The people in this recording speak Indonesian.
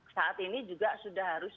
saat ini juga sudah harus